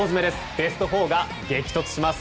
ベスト４が激突します。